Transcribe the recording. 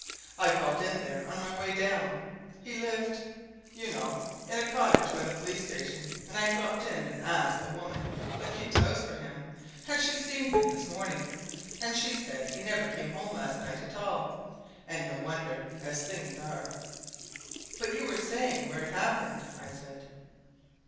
"I called in there on my way down he lived, you know, in a cottage by the police station, and I dropped in and asked the woman that keeps house for him had she seen him this morning, and she said he never came home last night at all. And no wonder as things are!" "But you were saying where it happened," I said.